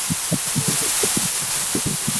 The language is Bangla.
দেহ ছিল সুষম ও কয়েকটি সুস্পষ্ট অংশ নিয়ে গঠিত।